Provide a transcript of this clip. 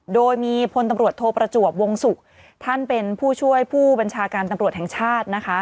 โดยมีพลตำรวจโทประจวบวงศุกร์ท่านเป็นผู้ช่วยผู้บัญชาการตำรวจแห่งชาตินะคะ